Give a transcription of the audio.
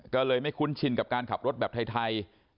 ก็เลยไม่คุ้นชินกับการขับรถแบบไทย